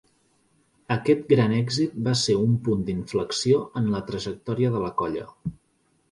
Aquest gran èxit va ser un punt d'inflexió en la trajectòria de la colla.